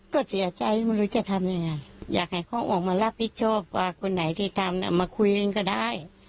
ก็เสียใจไม่รู้จะทำยังไงอยากให้เขาออกมารับผิดชอบกว่าคนไหนที่ทำมาคุยกันก็ได้